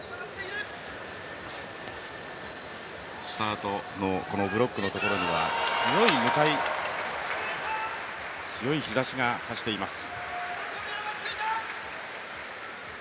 スタートのこのブロックのところには強い日ざしがさしています。